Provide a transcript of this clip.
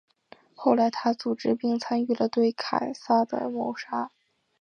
后来他组织并参与了对凯撒的谋杀。